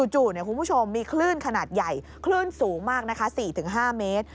จู่คุณผู้ชมมีคลื่นขนาดใหญ่คลื่นสูงมากนะคะ๔๕เมตร